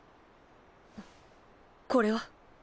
これは？